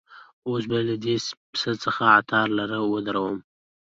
اوس به له دې پسه څه عطار لره وردرومم